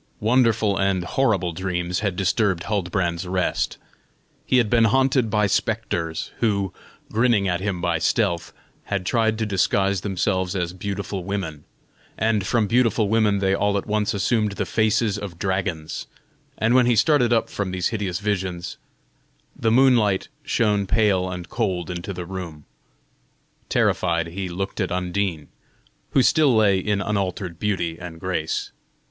Wonderful and horrible dreams had disturbed Huldbrand's rest; he had been haunted by spectres, who, grinning at him by stealth, had tried to disguise themselves as beautiful women, and from beautiful women they all at once assumed the faces of dragons, and when he started up from these hideous visions, the moonlight shone pale and cold into the room; terrified he looked at Undine, who still lay in unaltered beauty and grace.